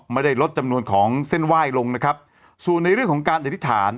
ลดจำนวนของเส้นไหว้ลงนะครับส่วนในเรื่องของการอธิษฐาน